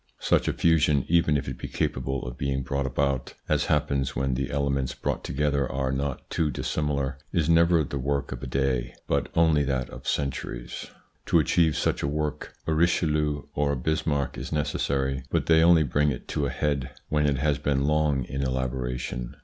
Such a fusion, even if it be capable of being brought about, as happens when the elements brought together are not too dissimilar, is never the work of a day, but only that of centuries. To achieve such a work, a Riche lieu or a Bismarck is necessary, but they only bring it to a head, when it has been long in elaboration.